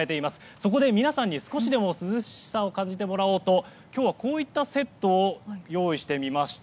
そこで、皆さんに少しでも涼しさを感じてもらおうと今日はこういったセットを用意してみました。